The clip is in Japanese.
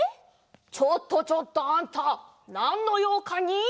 ちょっとちょっとあんたなんのようかに？